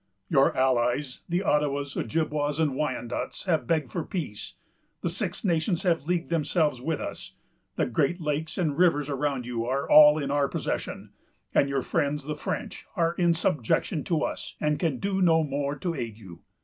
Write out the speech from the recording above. "Your allies, the Ottawas, Ojibwas, and Wyandots, have begged for peace; the Six Nations have leagued themselves with us; the great lakes and rivers around you are all in our possession, and your friends the French are in subjection to us, and can do no more to aid you.